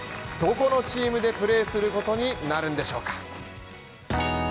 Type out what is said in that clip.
どこのチームでプレーすることになるんでしょうか。